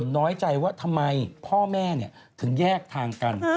น้อยใจว่าทำไมพ่อแม่ถึงแยกทางกัน